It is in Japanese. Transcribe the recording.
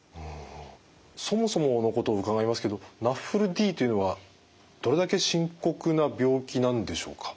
そもそものことを伺いますけどＮＡＦＬＤというのはどれだけ深刻な病気なんでしょうか？